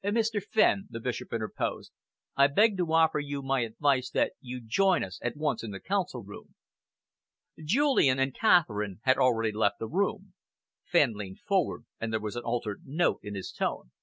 "Mr. Fenn," the Bishop interposed, "I beg to offer you my advice that you join us at once in the Council room." Julian and Catherine had already left the room. Fenn leaned forward, and there was an altered note in his tone.